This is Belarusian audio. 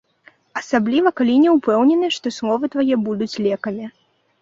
Асабліва, калі не ўпэўнены, што словы твае будуць лекамі.